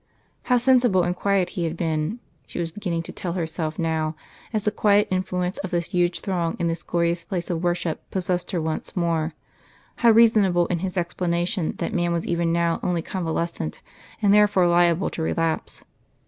How sensible and quiet he had been, she was beginning to tell herself now, as the quiet influence of this huge throng in this glorious place of worship possessed her once more how reasonable in his explanation that man was even now only convalescent and therefore liable to relapse.